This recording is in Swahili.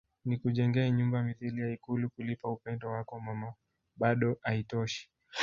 Nikujengee nyumba mithili ya ikulu kulipa upendo wako Mama bado aitoshi